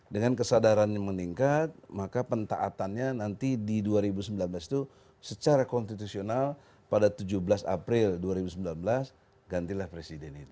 dengan kesadarannya meningkat maka pentaatannya nanti di dua ribu sembilan belas itu secara konstitusional pada tujuh belas april dua ribu sembilan belas gantilah presiden itu